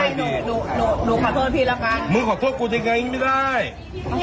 ภาพกูแล้วก่อนมึงขอโทษกูได้ไงไม่ได้อุ้ย